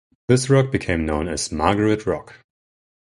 This rock became known as "Margaret Rock".